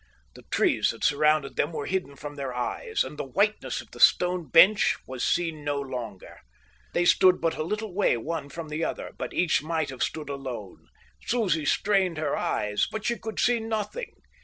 The trees that surrounded them were hidden from their eyes, and the whiteness of the stone bench was seen no longer. They stood but a little way one from the other, but each might have stood alone. Susie strained her eyes, but she could see nothing.